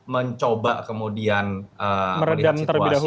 mencoba kemudian melihat situasi